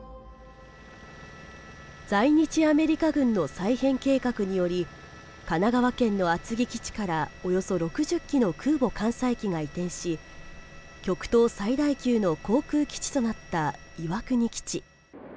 在日アメリカ軍の再編計画により神奈川県の厚木基地からおよそ６０機の空母艦載機が移転し極東最大級の航空基地となった岩国基地。